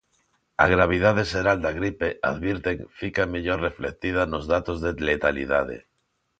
A gravidade xeral da gripe, advirten, fica mellor reflectida nos datos de letalidade.